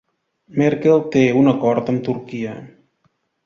Merkel té un acord amb Turquia